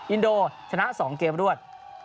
อินโดชนะ๒เกมอ่ะด้วย